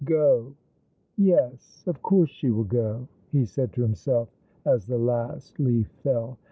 " Go ! Yes, of course she will go," he said to himself as the last leaf fell.